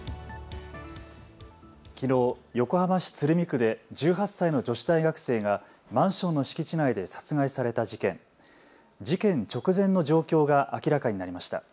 きのう横浜市鶴見区で１８歳の女子大学生がマンションの敷地内で殺害された事件、事件直前の状況が明らかになりました。